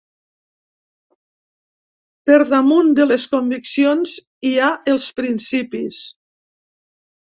Per damunt de les conviccions hi ha els principis.